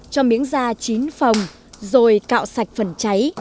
cho miếng gia chín phồng rồi cạo sạch phần cháy